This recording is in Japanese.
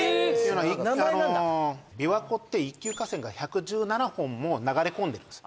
琵琶湖って一級河川が１１７本も流れ込んでるんです